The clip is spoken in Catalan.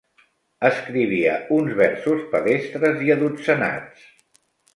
Escrivia uns versos pedestres i adotzenats.